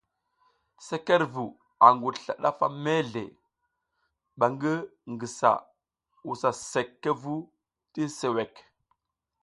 Sekerevu a ngudusla ndafa mezle, ɓa ngi ngisa wusa sekvu ti suwek.